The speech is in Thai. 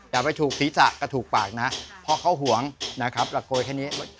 อย่าไปถูกศีรษะกระถูกปากนะเพราะเขาห่วงนะครับระโกยแค่นี้